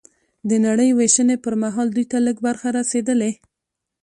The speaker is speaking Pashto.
د نړۍ وېشنې پر مهال دوی ته لږ برخه رسېدلې